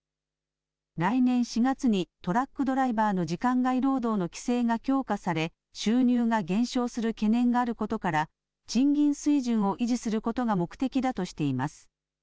来年４月にトラックドライバーの時間外労働の規制が強化され、収入が減少する懸念があることから、賃金水準を維持することが目的だとしています。